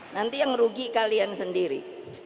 nanti yang rugi kalian sendiri